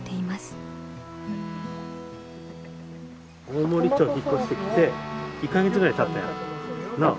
大森町引っ越してきて１か月ぐらいたったよ。なあ？